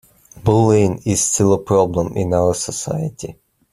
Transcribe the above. Bullying is still a problem in our society.